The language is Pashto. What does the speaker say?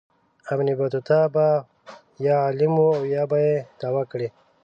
ابن بطوطه به یا عالم و او یا به یې دعوه کړې.